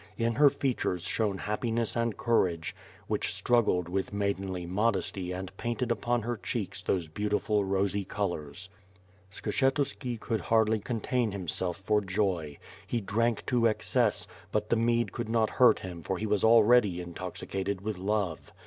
In her features shone happiness and courage which struggled with maidenly modesty and painted upon her cheeks those beautiful rosy colors. Skshetuski could hardly contain himself for joy. He drank to excess, but the mead could not hurt him for he was already intoxicated with love.